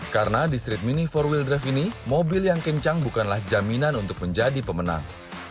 karena di street mini empat wd ini mobil yang kencang bukanlah jaminan untuk menjadi pemenang